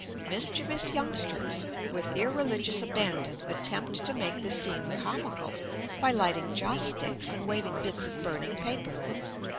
Mischievous youngsters, with irreligious abandon, attempt to make the scene comical by lighting joss sticks and waving bits of burning paper.